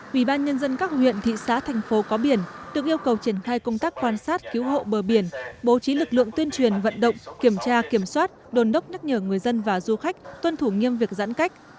ủy ban nhân dân các huyện thị xã thành phố có biển được yêu cầu triển khai công tác quan sát cứu hộ bờ biển bố trí lực lượng tuyên truyền vận động kiểm tra kiểm soát đồn đốc nhắc nhở người dân và du khách tuân thủ nghiêm việc giãn cách